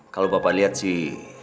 kalau bapak liat sih